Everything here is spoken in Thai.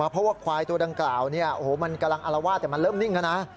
เพราะว่าควายตัวดังกล่าวมันกำลังอารวาสแต่มันเริ่มนิ่งแล้วนะ